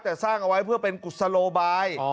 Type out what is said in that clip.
แต่สร้างเอาไว้เพื่อเป็นกุศโลบาย